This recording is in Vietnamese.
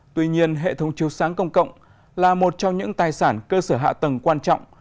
tuy nhiên hệ thống chiếu sáng công cộng là một trong những tài sản cơ sở hạ tầng quan trọng